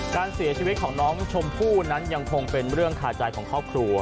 การเสียชีวิตของน้องชมพู่นั้นยังคงเป็นเรื่องขาดใจของครอบครัว